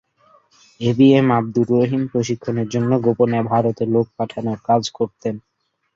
AB M Abdur Rahim প্রশিক্ষণের জন্য গোপনে ভারতে লোক পাঠানোর কাজ করতেন।